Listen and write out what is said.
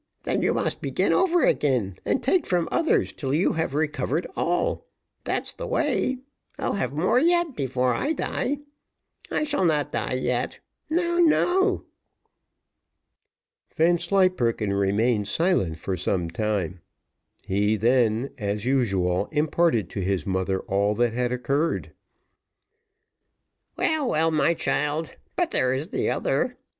then you must begin over again, and take from others till you have recovered all. That's the way I'll have more yet, before I die. I shall not die yet no, no." Vanslyperken remained silent for some time. He then, as usual, imparted to his mother all that had occurred. "Well, well, my child; but there is the other one.